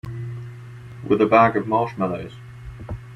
With a bag of marshmallows.